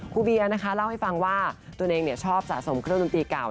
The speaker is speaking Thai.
เบียร์นะคะเล่าให้ฟังว่าตัวเองชอบสะสมเครื่องดนตรีเก่า